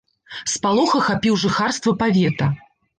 Спалох ахапіў жыхарства павета.